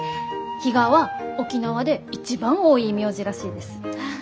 「比嘉」は沖縄で一番多い名字らしいです。